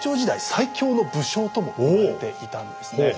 最強の武将とも言われていたんですね。